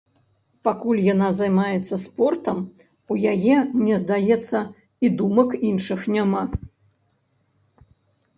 Пакуль яна займаецца спортам, у яе, мне здаецца, і думак іншых няма.